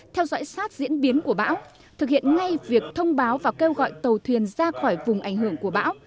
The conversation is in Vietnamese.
theo dõi sát diễn biến của bão thực hiện ngay việc thông báo và kêu gọi tàu thuyền ra khỏi vùng ảnh hưởng của bão